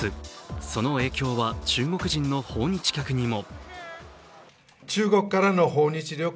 その影響は中国人の訪日客にも。